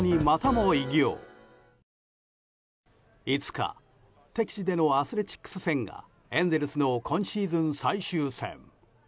５日、敵地でのアスレチックス戦がエンゼルスの今シーズン最終戦。